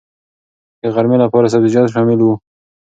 د غرمې لپاره سبزيجات شامل وو.